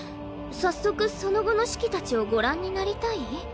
早速その後のシキたちをご覧になりたい？